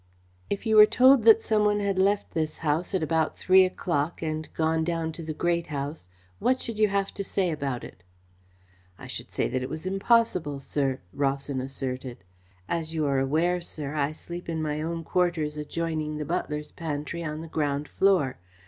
"If you were told that some one had left this house at about three o'clock and gone down to the Great House, what should you have to say about it?" "I should say that it was impossible, sir," Rawson asserted. "As you are aware, sir, I sleep in my own quarters adjoining the butler's pantry on the ground floor.